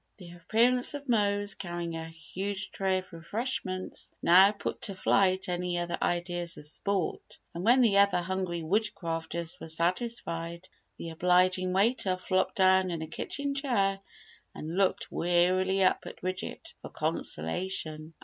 The appearance of Mose, carrying a huge tray of refreshments, now put to flight any other ideas of sport, and when the ever hungry Woodcrafters were satisfied, the obliging waiter flopped down in a kitchen chair and looked wearily up at Bridget for consolation.